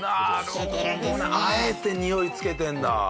あえてにおい付けてるんだ。